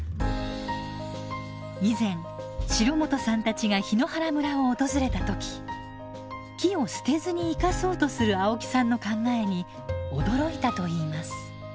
以前城本さんたちが檜原村を訪れた時木を捨てずに生かそうとする青木さんの考えに驚いたといいます。